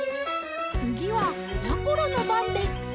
つぎはやころのばんです。